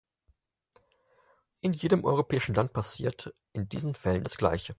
In jedem europäischen Land passiert in diesen Fällen das Gleiche.